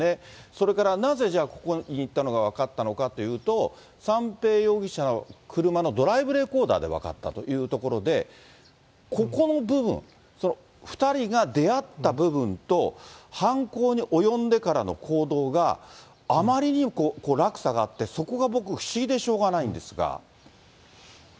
それから、なぜじゃあ、ここに行ったのが分かったのかというと、三瓶容疑者の車のドライブレコーダーで分かったということで、ここの部分、２人が出会った部分と、犯行に及んでからの行動が、あまりに落差があって、そこが僕、不思議でしょうがないんですが。